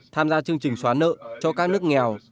tham gia chương trình xóa nợ cho các nước nghèo